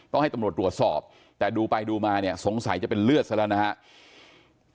ให้ตำรวจตรวจสอบแต่ดูไปดูมาเนี่ยสงสัยจะเป็นเลือดซะแล้วนะครับ